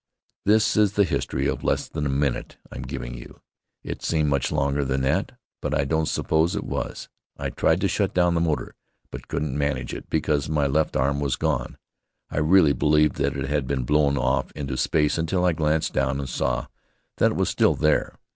This is the history of less than a minute I'm giving you. It seemed much longer than that, but I don't suppose it was. I tried to shut down the motor, but couldn't manage it because my left arm was gone. I really believed that it had been blown off into space until I glanced down and saw that it was still there.